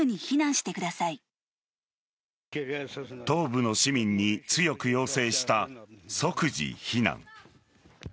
東部の市民に強く要請した即時避難。